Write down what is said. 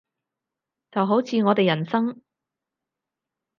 就好似我哋人生